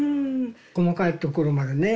細かいところまでね。